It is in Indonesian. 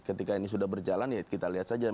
ketika ini sudah berjalan ya kita lihat saja